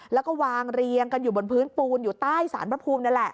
แล้วก็วางเรียงกันอยู่บนพื้นปูนอยู่ใต้สารพระภูมินั่นแหละ